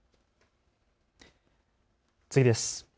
次です。